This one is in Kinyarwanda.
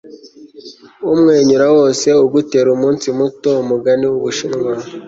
umwenyura wose ugutera umunsi muto. - umugani w'ubushinwa